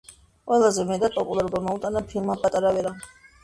ყველაზე მეტად პოპულარობა მოუტანა ფილმმა „პატარა ვერა“.